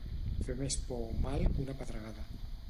Fer més por o mal que una pedregada.